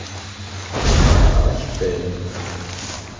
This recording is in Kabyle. Lliɣ ferrqeɣ akeffay.